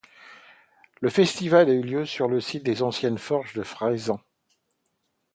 Le festival a lieu sur le site des anciennes forges de Fraisans.